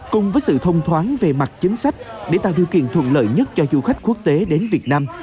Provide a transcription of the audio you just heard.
cùng với sự thông thoáng về mặt chính sách để tạo điều kiện thuận lợi nhất cho du khách quốc tế đến việt nam